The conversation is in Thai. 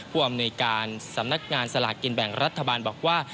ผู้อำนวยการสำนักงานสลากกินแบ่งรัฐบาลบอกว่า